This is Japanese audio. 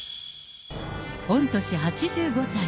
御年８５歳。